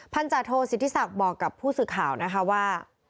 จาโทสิทธิศักดิ์บอกกับผู้สื่อข่าวนะคะว่า